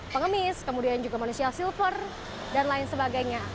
pengemis kemudian juga manusia silver dan lain sebagainya